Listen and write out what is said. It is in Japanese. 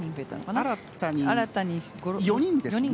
新たに４人ですね。